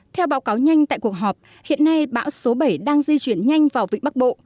theo báo cáo nhanh tại cuộc họp hiện nay bão số bảy đang di chuyển nhanh vào vịnh bắc bộ